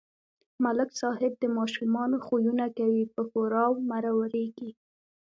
ملک صاحب د ماشومانو خویونه کوي په ښوراو مرورېږي.